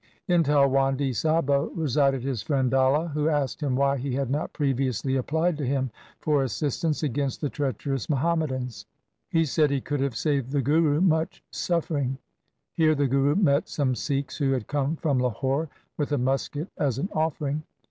In Talwandi Sabo resided his friend Dalla, who asked him why he had not previously applied to him for assistance against the treacherous Muhammadans. He said he could have saved the Guru much suffering. Here the Guru met some Sikhs who had come from Lahore with a musket as an offering.